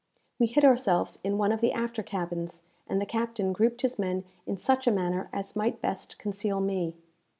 We hid ourselves in one of the after cabins, and the captain grouped his men in such a manner as might best conceal me.